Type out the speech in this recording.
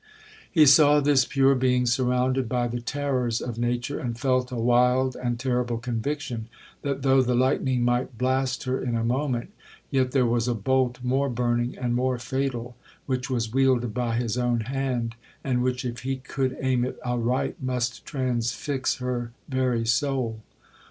'He saw this pure being surrounded by the terrors of nature, and felt a wild and terrible conviction, that though the lightning might blast her in a moment, yet there was a bolt more burning and more fatal, which was wielded by his own hand, and which, if he could aim it aright, must transfix her very soul.